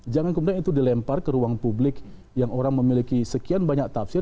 jangan kemudian itu dilempar ke ruang publik yang orang memiliki sekian banyak tafsir